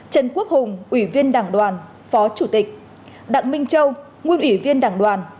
trần quốc hùng ủy viên đảng đoàn phó chủ tịch đặng minh châu nguyên ủy viên đảng đoàn